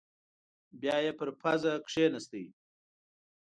بيايې پر پزه کېناست.